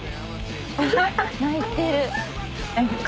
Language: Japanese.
泣いてる。